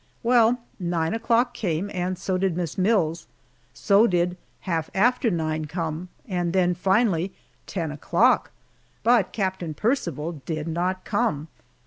Well, nine o'clock came, so did Miss Mills, so did half after nine come, and then, finally ten o'clock, but Captain Percival did not come!